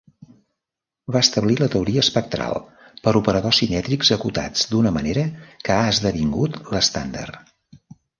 Va establir la teoria espectral per operadors simètrics acotats d'una manera que ha esdevingut l'estàndard.